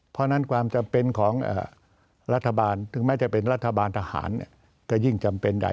เพราะฉะนั้นความจำเป็นของรัฐบาลถึงแม้จะเป็นรัฐบาลทหารก็ยิ่งจำเป็นใหญ่